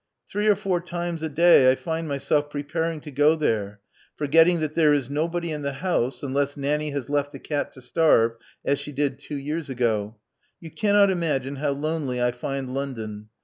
Three or four times a day I find myself preparing to go there, forgetting that there is nobody in the house, unless Nanny has left the cat to starve, as she did two years ago. You cannot imagine how lonely I find London.